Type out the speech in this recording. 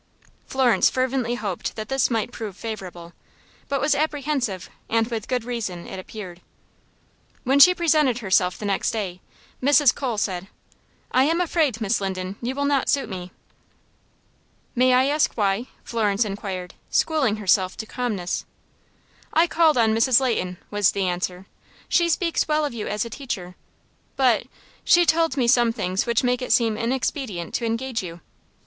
Florence fervently hoped that this might prove favorable; but was apprehensive, and with good reason, it appeared. When she presented herself the next day, Mrs. Cole said: "I am afraid, Miss Linden, you will not suit me." "May I ask why?" Florence inquired, schooling herself to calmness. "I called on Mrs. Leighton," was the answer. "She speaks well of you as a teacher, but she told me some things which make it seem inexpedient to engage you."